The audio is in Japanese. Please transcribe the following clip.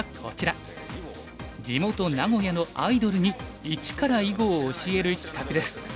地元名古屋のアイドルにいちから囲碁を教える企画です。